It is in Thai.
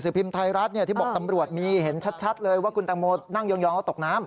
พิมพ์ไทยรัฐที่บอกตำรวจมีเห็นชัดเลยว่าคุณตังโมนั่งยองแล้วตกน้ำ